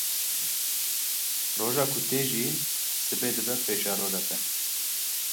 Roja ku tê jiyîn sibê dibe paşeroja te.